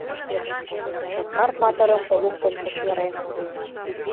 Чоткар-патырым луктын кычкырен: